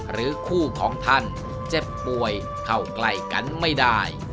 หรือคู่ของท่านเจ็บป่วยเข้าใกล้กันไม่ได้